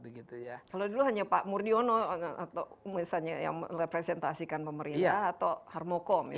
kalau dulu hanya pak mordiono atau misalnya yang melepresentasikan pemerintah atau harmoko misalnya